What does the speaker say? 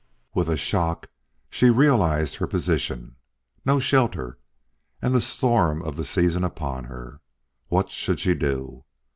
With a shock she realized her position. No shelter, and the storm of the season upon her! What should she do?